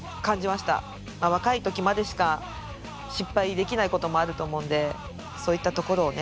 若い時までしか失敗できないこともあると思うんでそういったところをね